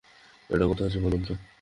এটা কোথায় আছে বলুন তো?